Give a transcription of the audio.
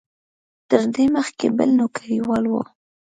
تر ده مخکې بل نوکریوال و.